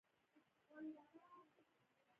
د لمر مرکز تودوخه پنځلس ملیونه ډګري ده.